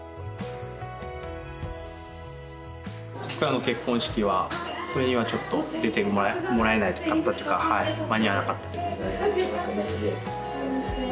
僕らの結婚式はそれにはちょっと出てもらえなかったというか間に合わなかったってことですね。